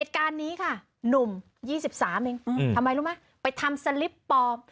เหตุการณ์นี้ค่ะหนุ่ม๒๓เองไปทำสลิปปลอม